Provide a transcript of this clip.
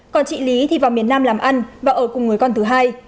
còn chị lý thì vào miền nam làm ăn và ở cùng người con thứ hai